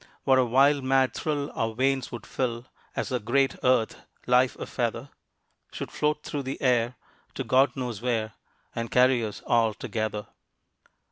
What a wild mad thrill our veins would fill As the great earth, life a feather, Should float through the air to God knows where, And carry us all together.